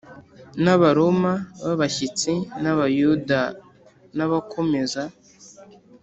n Abaroma b abashyitsi n Abayuda n abakomeza